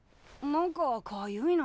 なんかかゆいな。